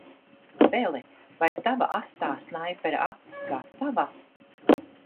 Pele, vai tava asā snaipera acs gatava?